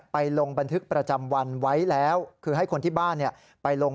ลงบันทึกประจำวันไว้แล้วคือให้คนที่บ้านไปลง